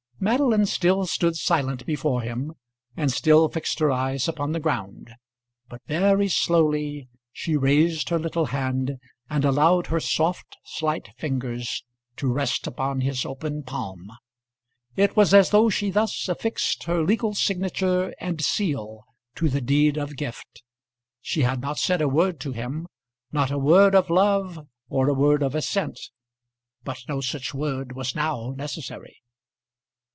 Madeline still stood silent before him and still fixed her eyes upon the ground, but very slowly she raised her little hand and allowed her soft slight fingers to rest upon his open palm. It was as though she thus affixed her legal signature and seal to the deed of gift. She had not said a word to him; not a word of love or a word of assent; but no such word was now necessary.